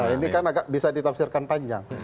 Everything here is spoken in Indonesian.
ini kan agak bisa ditafsirkan panjang